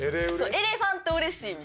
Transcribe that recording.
エレファントうれしい。